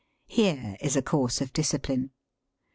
Here is a course of discipline.